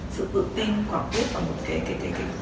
sự tự tin quảng quyết và một cái